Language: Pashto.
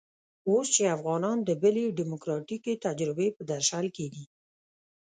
اوس چې افغانان د بلې ډيموکراتيکې تجربې په درشل کې دي.